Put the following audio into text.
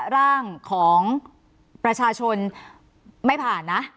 ร่างของประชาชนไม่ผ่านนะ